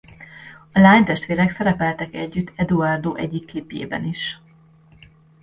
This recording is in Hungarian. A lánytestvérek szerepeltek együtt Eduardo egyik klipjében is.